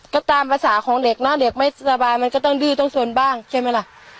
ก็ตามภาษาของเด็กเนอะเด็กไม่สบายมันก็ต้องดื้อต้องสนบ้างใช่ไหมล่ะ